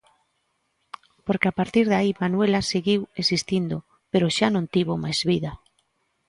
Porque a partir de aí Manuela seguiu existindo, pero xa non tivo máis vida.